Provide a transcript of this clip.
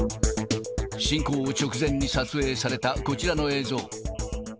侵攻を直前に撮影された、こちらの映像。